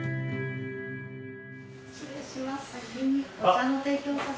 失礼します。